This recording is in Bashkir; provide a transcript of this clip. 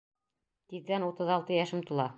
Тиҙҙән утыҙ алты йәшем тула.